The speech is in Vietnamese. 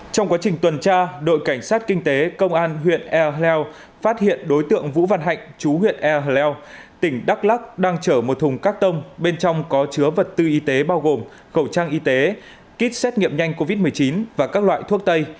trong quá trình tuần tra đội cảnh sát kinh tế công an huyện ea leo phát hiện đối tượng vũ văn hạnh chú huyện ea leo tỉnh đắk lắc đang chở một thùng các tông bên trong có chứa vật tư y tế bao gồm khẩu trang y tế kit xét nghiệm nhanh covid một mươi chín và các loại thuốc tây